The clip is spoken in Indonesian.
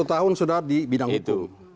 saya empat puluh tahun sudah di bidang hukum